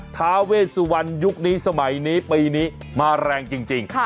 ท้าเวสวรรณยุคนี้สมัยนี้ปีนี้มาแรงจริง